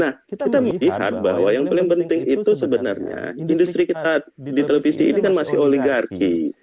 nah kita melihat bahwa yang paling penting itu sebenarnya industri kita di televisi ini kan masih oligarki